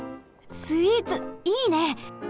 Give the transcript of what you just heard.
スイーツいいね！